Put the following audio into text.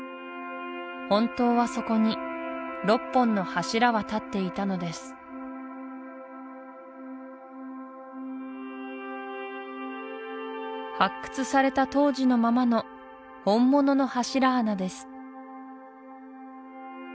本当はそこに６本の柱は立っていたのです発掘された当時のままの本物の柱穴です